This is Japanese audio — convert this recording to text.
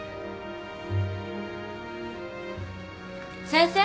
先生。